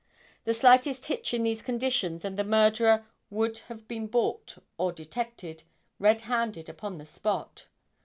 The slightest hitch in these conditions and the murderer would have been balked or detected red handed upon the spot.